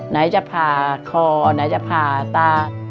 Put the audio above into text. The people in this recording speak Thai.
ไหนจะผ่าคอไหนจะผ่าตา